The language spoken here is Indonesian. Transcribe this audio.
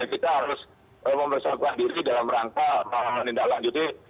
jadi kita harus mempersatuan diri dalam rangka pahaman indah langit